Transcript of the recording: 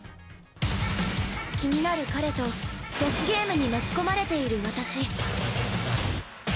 ◆気になる彼とデスゲームに巻き込まれている私。